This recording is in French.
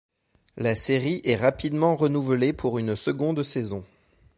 La série est rapidement renouvelée pour une seconde saison.